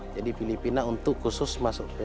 jadi filipina untuk khusus masuk ke sangihi